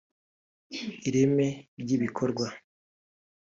ireme ry’ibikorwa